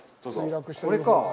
これか。